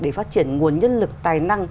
để phát triển nguồn nhân lực tài năng